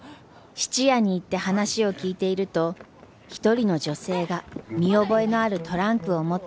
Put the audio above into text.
質屋に行って話を聞いていると一人の女性が見覚えのあるトランクを持って駆け込んできました。